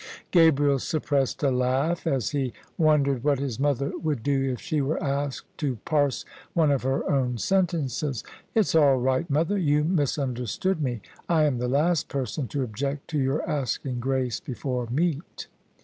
Gabriel suppressed a laugh, as^he wondered what his mother would do if she were asked to parse one of her own sentences. "It's all right, mother; you misunderstood me. I am the last person to object to your asking grace before meat."